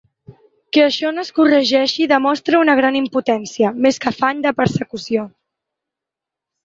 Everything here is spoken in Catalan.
Que això no es corregeixi demostra una gran impotència, més que afany de persecució.